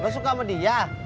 lo suka sama dia